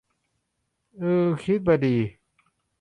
อือ คิดมาดี